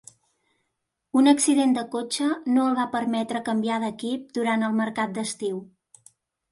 Un accident de cotxe no el va permetre canviar d'equip durant el mercat d'estiu.